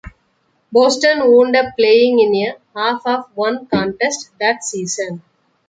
Boston wound up playing in a half of one contest that season.